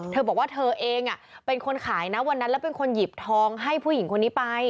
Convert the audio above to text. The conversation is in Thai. เธอบอกว่าเธอเองเป็นคนขายนะวันนั้นแล้วเป็นคนหยิบทองให้ผู้หญิงคนนี้ไป